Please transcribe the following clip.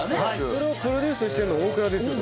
それをプロデュースしてるのは大倉ですよ。